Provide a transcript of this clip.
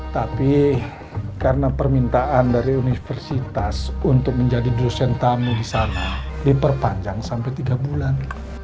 tapi karena permintaan dari universitas untuk menjadi dosen tamu di sana diperpanjang sampai tiga bulan